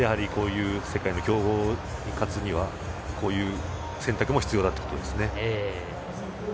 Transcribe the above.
世界の強豪に勝つにはこういう選択も必要だということですね。